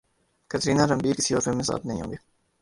کترینہ رنبیر کسی اور فلم میں ساتھ نہیں ہوں گے